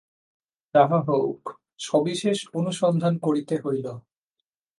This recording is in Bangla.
যাহা হউক, সবিশেষ অনুসন্ধান করিতে হইল।